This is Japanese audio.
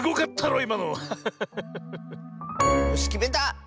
よしきめた！